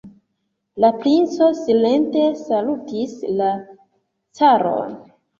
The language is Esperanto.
La princo silente salutis la caron.